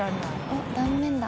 おっ断面だ。